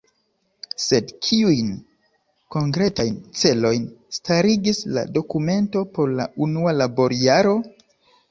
Sed kiujn konkretajn celojn starigis la dokumento por la unua laborjaro?